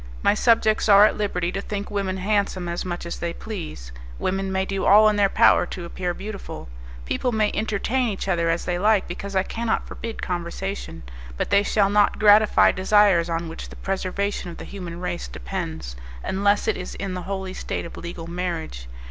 My subjects are at liberty to think women handsome as much as they please; women may do all in their power to appear beautiful; people may entertain each other as they like, because I cannot forbid conversation; but they shall not gratify desires on which the preservation of the human race depends, unless it is in the holy state of legal marriage.